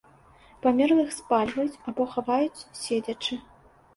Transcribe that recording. Памерлых спальваюць або хаваюць седзячы.